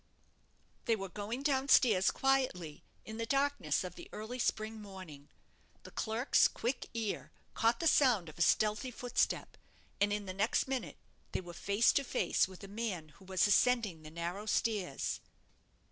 They were going down stairs quietly, in the darkness of the early spring morning. The clerk's quick ear caught the sound of a stealthy footstep; and in the next minute they were face to face with a man who was ascending the narrow stairs.